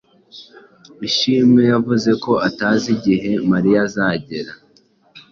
Ishimwe yavuze ko atazi igihe Mariya azagera.